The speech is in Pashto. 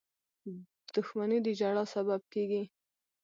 • دښمني د ژړا سبب کېږي.